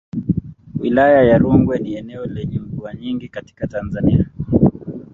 Wilaya ya Rungwe ni eneo lenye mvua nyingi katika Tanzania.